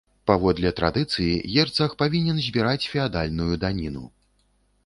Паводле традыцыі, герцаг павінен збіраць феадальную даніну.